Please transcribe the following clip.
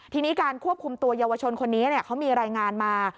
ทีนี้การควบคุมตัวเยาวชนคนนี้เขามีรายงานมา